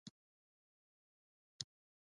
ایا زه باید پالک وخورم؟